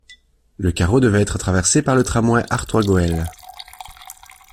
Le carreau devrait être traversé par le Tramway Artois-Gohelle.